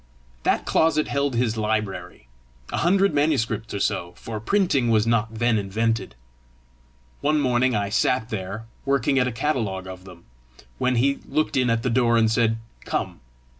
"That closet held his library a hundred manuscripts or so, for printing was not then invented. One morning I sat there, working at a catalogue of them, when he looked in at the door, and said, 'Come.